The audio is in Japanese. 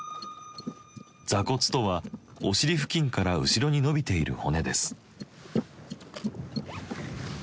座骨とはお尻付近から後ろに伸びている骨です。